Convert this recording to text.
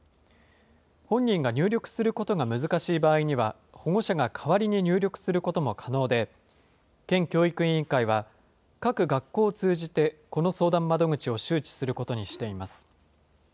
本人が入力することが難しい場合には、保護者が代わりに入力することも可能で、県教育委員会は、各学校を通じてこの相談窓口を周知することにしています。